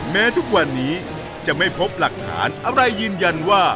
แม้ทุกวันนี้จะไม่พบหลักฐานอะไรยืนยันว่า